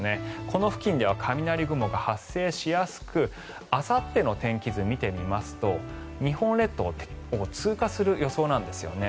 この付近では雷雲が発生しやすくあさっての天気図を見てみますと日本列島を通過する予想なんですよね。